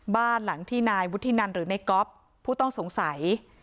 บ้านหลังที่นายวุฒินันหรือในก๊อฟผู้ต้องสงสัย